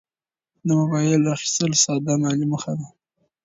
د موبایل اخیستل ساده مالي موخه ده.